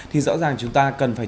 thì rõ ràng chúng ta cần phải